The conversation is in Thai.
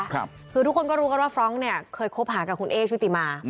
คือทุกคนก็รู้กันว่าฟรองก์เนี่ยเคยคบหากับคุณเอ๊ชุติมา